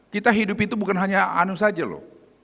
kita hidup itu bukan hanya anu saja loh